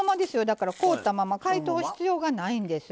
だから凍ったまま解凍必要がないんです。